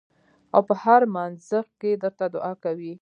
او پۀ هر مانځه کښې درته دعا کوي ـ